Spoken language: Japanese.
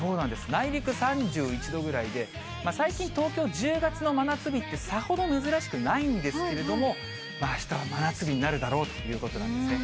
内陸３１度ぐらいで、最近、東京、１０月の真夏日って、さほど珍しくないんですけれども、あしたは真夏日になるだろうということなんですね。